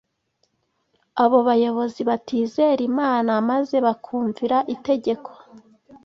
abo bayobozi batizera Imana maze bakumvira itegeko